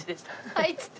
「はい！」っつって。